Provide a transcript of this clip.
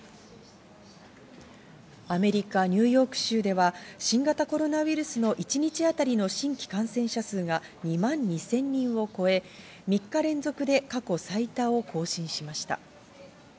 アメリカ・ニューヨーク州では新型コロナウイルスの一日当たりの新規感染者数が２万２０００人を超え、３日連続で過去最多を更新しました。